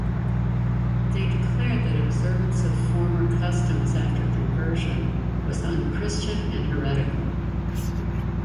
They declared that observance of former customs after conversion was un-Christian and heretical.